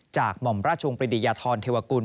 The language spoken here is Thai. จากหม่อมราชวงศ์ปริธิยธรณ์เทวากุล